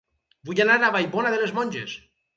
Vull anar a Vallbona de les Monges